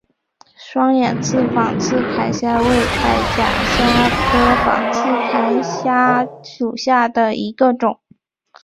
双眼刺仿刺铠虾为铠甲虾科仿刺铠虾属下的一个种。